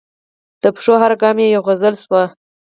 د پښو هر ګام یې یوه غزل شوې.